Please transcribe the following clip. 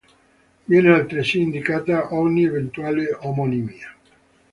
Viene altresì indicata ogni eventuale omonimia.